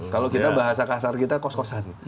kalau kita bahasa kasar kita kos kosan